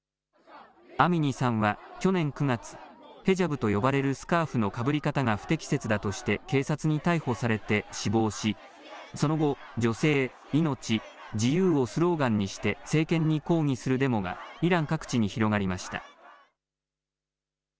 アミニさんは去年９月、ヘジャブと呼ばれるスカーフのかぶり方が不適切だとして警察に逮捕されて死亡しその後、女性・命・自由をスローガンにして政権に抗議するデモがイラン各地に広がりました。